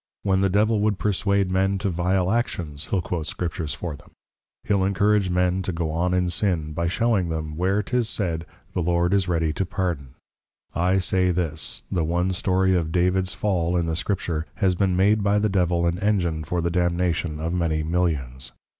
When the Devil would perswade men to vile Actions, he'l quote Scriptures for them; he'l encourage men to go on in Sin, by showing them, where 'tis said, The Lord is ready to Pardon. I say this, The one story of Davids Fall, in the Scripture, has been made by the Devil an Engine for the Damnation of many Millions.